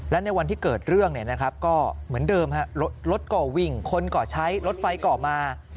และในวันที่เกิดเรื่องก็เหมือนเดิมรถก่อวิ่งคนก่อใช้รถไฟก่อมา